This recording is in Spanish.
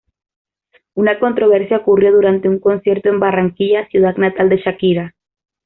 Una controversia ocurrió durante un concierto en Barranquilla, ciudad natal de Shakira.